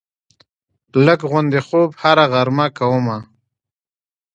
لږ غوندې خوب هره غرمه کومه